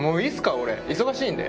俺忙しいんで。